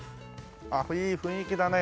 あっいい雰囲気だね。